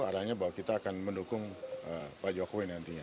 arahnya bahwa kita akan mendukung pak jokowi nantinya